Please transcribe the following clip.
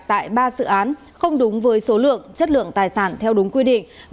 tại ba dự án không đúng với số lượng chất lượng tài sản theo đúng quy định